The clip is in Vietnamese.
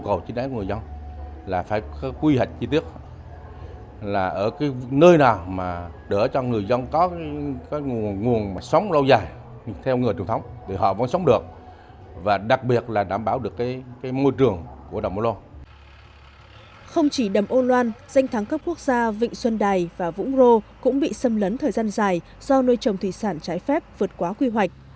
không chỉ đầm oloan danh tháng cấp quốc gia vịnh xuân đài và vũng rô cũng bị xâm lấn thời gian dài do nuôi trồng thủy sản trái phép vượt quá quy hoạch